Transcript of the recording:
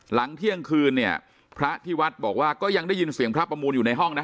หลังเที่ยงคืนเนี่ยพระที่วัดบอกว่าก็ยังได้ยินเสียงพระประมูลอยู่ในห้องนะ